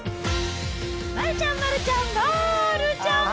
丸ちゃん、丸ちゃん、まーるちゃん。